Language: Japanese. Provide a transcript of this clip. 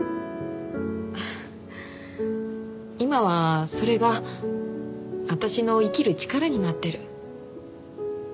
今はそれが私の生きる力になってる。